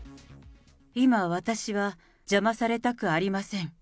今、私は邪魔されたくありません。